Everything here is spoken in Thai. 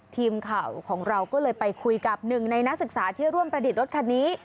ทีมข่าวของเราก็เลยไปคุยกับหนึ่งในนักศึกษาที่ร่วมประดิษฐ์รถคันนี้